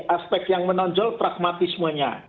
aspek yang menonjol pragmatismenya